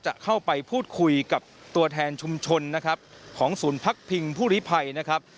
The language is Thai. จะเข้าไปพูดคุยกับตัวแทนชุมชนนะครับของศูนย์พักพิงผู้ลิภัยนะครับ